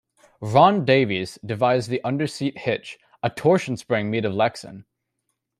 Ron Davis devised the under-seat hitch, a torsion spring made of Lexan.